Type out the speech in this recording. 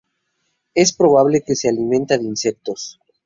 Es probable que se alimenta de insectos.